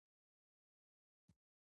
د پنبې د پاڼو تاویدل څه لامل لري؟